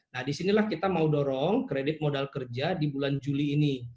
nah disinilah kita mau dorong kredit modal kerja di bulan juli ini